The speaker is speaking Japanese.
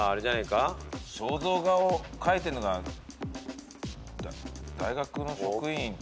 肖像画を描いてるのが大学の職員って。